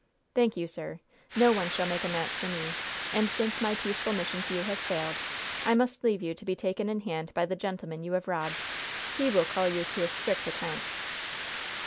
"Thank you, sir. No one shall make a match for me. And since my peaceful mission to you has failed, I must leave you to be taken in hand by the gentleman you have robbed. He will call you to a strict account."